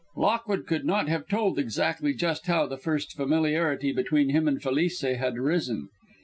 Lockwood could not have told exactly just how the first familiarity between him and Felice had arisen.